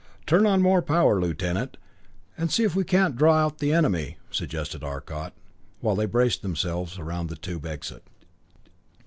"Turn on more power, Lieutenant, and see if we can't draw out the enemy," suggested Arcot, while they braced themselves around the tube exit.